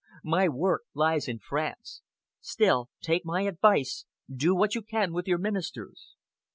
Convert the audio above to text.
My work lies in France. Still, take my advice! Do what you can with your ministers."